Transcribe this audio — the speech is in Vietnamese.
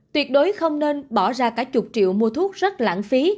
tuyệt đối không nên bỏ ra cả chục triệu mua thuốc rất lãng phí